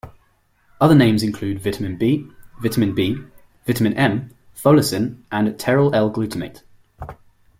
Other names include vitamin B, vitamin B, vitamin M, folacin, and pteroyl-L-glutamate.